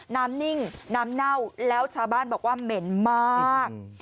นิ่งน้ำเน่าแล้วชาวบ้านบอกว่าเหม็นมาก